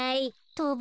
とぶ？